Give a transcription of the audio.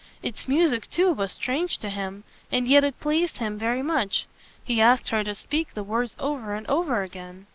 Its music, too, was strange to him, and yet it pleased him very much. He asked her to speak the words over and over again.